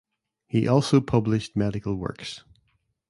He also published medical works.